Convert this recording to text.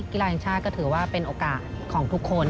กีฬาแห่งชาติก็ถือว่าเป็นโอกาสของทุกคน